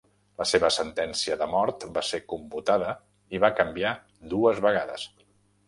La seva sentència de mort va ser commutada i va canviar dues vegades.